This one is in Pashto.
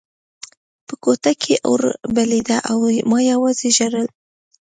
په کوټه کې اور بلېده او ما یوازې ژړل